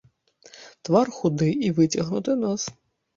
Твар худы і выцягнуты нос.